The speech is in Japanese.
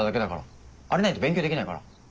あれないと勉強できないから。